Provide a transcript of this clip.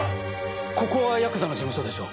ここはヤクザの事務所でしょ？